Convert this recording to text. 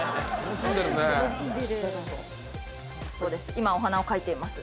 今お花を描いています。